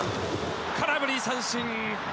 空振り三振！